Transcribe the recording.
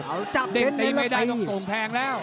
กางเกงสีแดงที่ชวนทะเลาะไหนอย่างเดียว